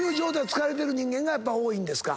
疲れてる人間が多いんですか？